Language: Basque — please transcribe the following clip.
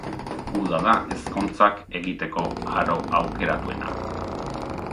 Uda da ezkontzak egiteko aro aukeratuena.